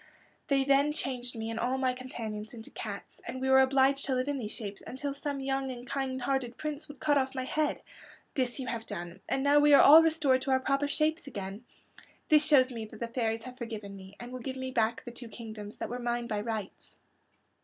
They then changed me and all my companions into cats, and we were obliged to live in these shapes until some young and kind hearted prince would cut off my head. This you have done, and now we are all restored to our proper shapes again. This shows me that the fairies have forgiven me and will give me back the two kingdoms that were mine by rights."